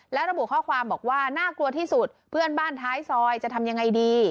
และระบุข้อความบอกว่าน่ากลัวที่สุดเพื่อนบ้านท้ายซอยจะทำยังไงดี